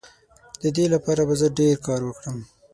د دې لپاره به زه ډیر کار وکړم.